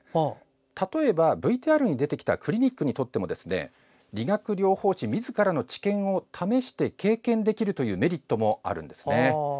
例えば、ＶＴＲに出てきたクリニックにとっても理学療法士みずからの知見を試して経験できるというメリットもあるんですね。